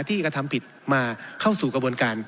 กระทำผิดมาเข้าสู่กระบวนการ